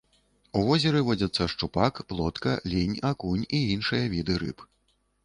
У возеры водзяцца шчупак, плотка, лінь, акунь і іншыя віды рыб.